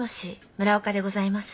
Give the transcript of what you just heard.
村岡でございます。